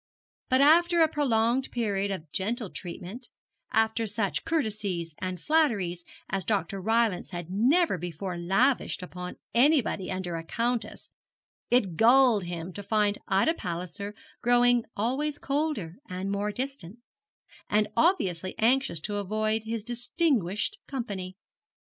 But after a prolonged period of gentle treatment, after such courtesies and flatteries as Dr. Rylance had never before lavished upon anybody under a countess, it galled him to find Ida Palliser growing always colder and more distant, and obviously anxious to avoid his distinguished company.